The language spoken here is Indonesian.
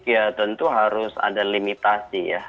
menjawab kritik ya tentu harus ada limitasi ya